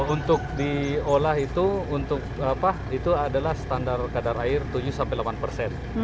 untuk diolah itu untuk apa itu adalah standar kadar air tujuh sampai delapan persen